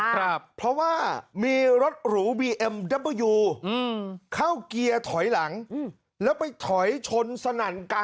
การให้กำลังเรียนสาย